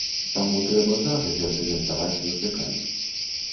Таму трэба загадзя цэментаваць вертыкаль.